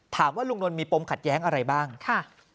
ถามว่าลุงนนท์มีปมขัดแย้งอะไรบ้างค่ะ